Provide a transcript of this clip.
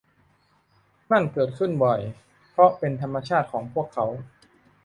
นั่นเกิดขึ้นบ่อยเพราะเป็นธรรมชาติของพวกเขา